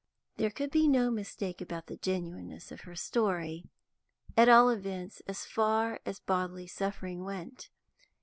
There could be no mistake about the genuineness of her story, at all events as far as bodily suffering went.